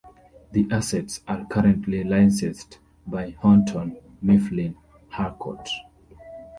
The assets are currently licensed by Houghton Mifflin Harcourt.